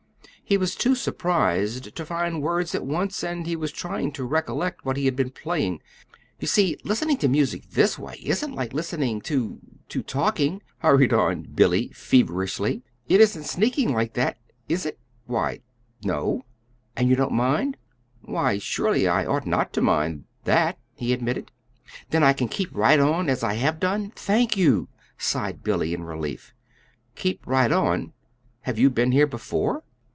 He was too surprised to find words at once, and he was trying to recollect what he had been playing. "You see, listening to music this way isn't like listening to to talking," hurried on Billy, feverishly. "It isn't sneaking like that; is it?" "Why no." "And you don't mind?" "Why, surely, I ought not to mind that," he admitted. "Then I can keep right on as I have done. Thank you," sighed Billy, in relief. "Keep right on! Have you been here before?"